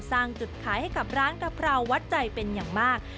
สร้างจุดขายให้กับร้านกะเพราวัดใจเป็นอย่างมาก